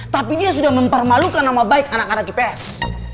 tapi dia sudah mempermalukan nama baik anak anak ips